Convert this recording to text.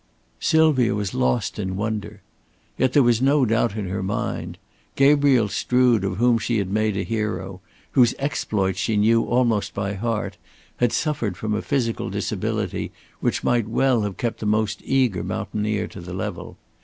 Sylvia was lost in wonder. Yet there was no doubt in her mind. Gabriel Strood, of whom she had made a hero, whose exploits she knew almost by heart, had suffered from a physical disability which might well have kept the most eager mountaineer to the level.